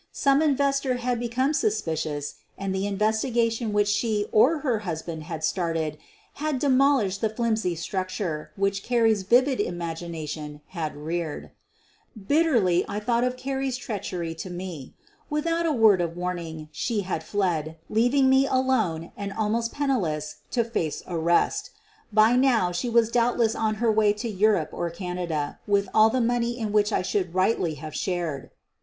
Some inves tor had become suspicious and the investigation which she or her husband had started had demol ished the flimsy structure which Carrie's vivid im agination had reared. Bitterly I thought of Carrie's treachery to me. Without a word of warning she had fled, leaving me alone and almost penniless to face arrest. By now she was doubtless on her way to Europe or Canada with all the money in which I should rightfully have shared.